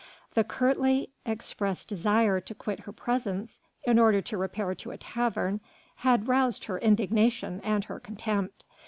The curtly expressed desire to quit her presence, in order to repair to a tavern, had roused her indignation and her contempt.